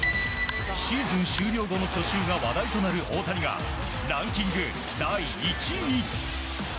シーズン終了後の去就が話題となる大谷がランキング第１位に。